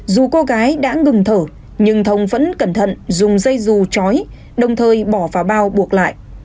dù cô gái đã ngừng thở nhưng thông vẫn cẩn thận dùng dây dù trói đồng thời bỏ vào bao buộc lại